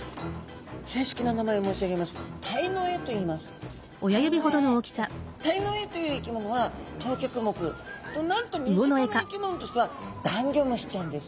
正式な名前を申し上げますとタイノエという生き物は等脚目なんと身近な生き物としてはダンギョムシちゃんです。